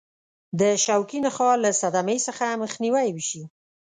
د شوکي نخاع له صدمې څخه مخنیوي وشي.